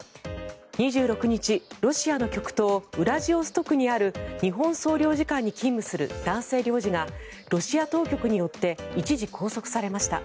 ２６日、ロシアの極東ウラジオストクにある日本総領事館に勤務する男性領事がロシア当局によって一時拘束されました。